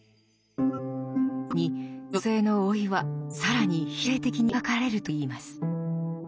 特に女性の老いは更に否定的に描かれるといいます。